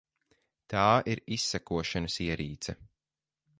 Tā ir izsekošanas ierīce.